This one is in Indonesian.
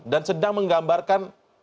dan sedang menggambarkan